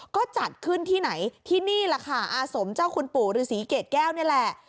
ก็จัดขึ้นที่ไหนที่นี่แหละค่ะอาสมเจ้าคุณปู่ฤษีเกรดแก้วนี่แหละ